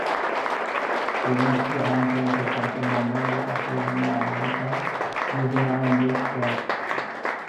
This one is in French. Celui-ci rend compte à son commandant du quartier général local, le général Dostler.